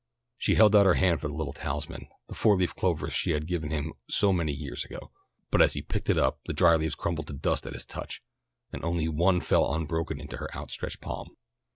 She held out her hand for the little talisman, the four leaf clover she had given him so many years ago, but as he picked it up, the dry leaves crumbled to dust at his touch, and only one fell unbroken into her outstretched palm.